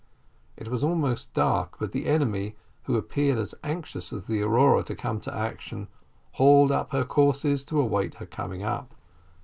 It was almost dark, but the enemy, who appeared as anxious as the Aurora to come to action, hauled up her courses to await her coming up.